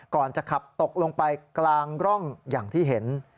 ก่อนจะขับตกลงไปกลางร่องอย่างที่เห็น